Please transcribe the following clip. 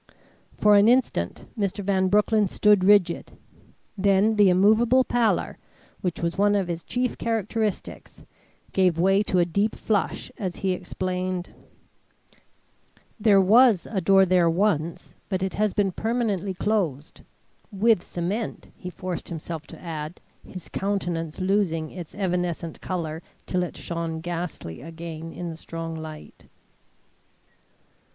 For an instant Mr. Van Broecklyn stood rigid, then the immovable pallor, which was one of his chief characteristics, gave way to a deep flush, as he explained: "There was a door there once; but it has been permanently closed. With cement," he forced himself to add, his countenance losing its evanescent colour till it shone ghastly again in the strong light.